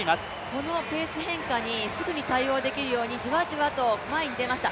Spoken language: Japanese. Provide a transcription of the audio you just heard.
このペース変化にすぐに対応できるようにじわじわと前に出ました。